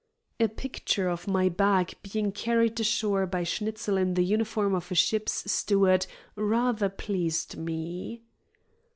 A picture of my bag being carried ashore by Schnitzel in the uniform of a ship's steward rather pleased me.